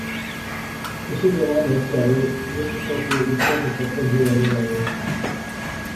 اسے دوران ہیک تہاڑے نصرتا کی الٹیاں تے چکر جئے اینے لاغے